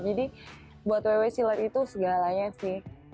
jadi buat woywita silat itu segalanya sih